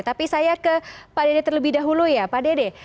tapi saya ke pak dede terlebih dahulu ya pak dede